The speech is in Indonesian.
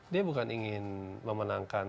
dia bukan ingin memenangkan